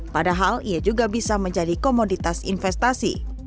padahal ia juga bisa menjadi komoditas investasi